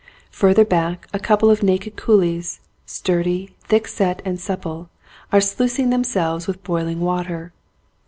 Further back a couple of naked coolies, sturdy, thickset and supple, are sluicing themselves with boiling water.